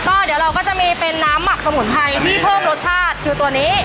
ก็เดี๋ยวเราก็จะมีเป็นน้ำหมักสมุนไพรที่เพิ่มรสชาติคือตัวนี้